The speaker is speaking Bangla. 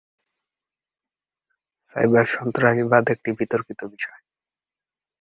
সাইবার সন্ত্রাসবাদ একটি বিতর্কিত বিষয়।